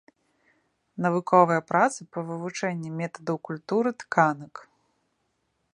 Навуковыя працы па вывучэнні метадаў культуры тканак.